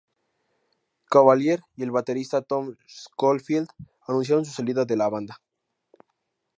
Cavalier, y el baterista Tom Schofield anunciaron su salida de la banda.